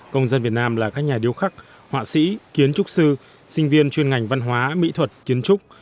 công dân việt nam là các nhà điêu khắc họa sĩ kiến trúc sư sinh viên chuyên ngành văn hóa mỹ thuật kiến trúc